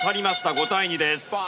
５対２です。